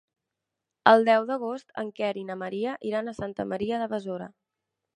El deu d'agost en Quer i na Maria iran a Santa Maria de Besora.